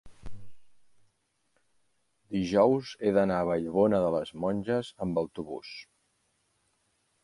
dijous he d'anar a Vallbona de les Monges amb autobús.